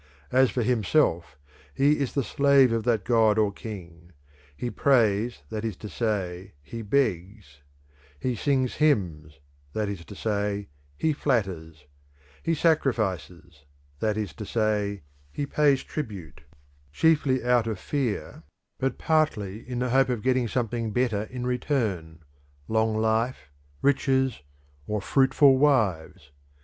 As for himself, he is the slave of that god or king; he prays, that is to say, he begs; he sings hymns, that is to say, he flatters; he sacrifices, that is to say, he pays tribute, chiefly out of fear, but partly in the hope of getting something better in return long life, riches, and fruitful wives.